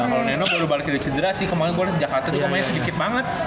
kalau nenno baru balik dari cedera sih kemaren gue liat jakarta itu pemainnya sedikit banget